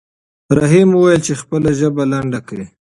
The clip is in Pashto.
رحیم وویل چې خپله ژبه لنډه کړه.